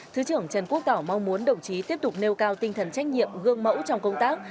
thứ trưởng trần quốc tỏ mong muốn đồng chí tiếp tục nêu cao tinh thần trách nhiệm gương mẫu trong công tác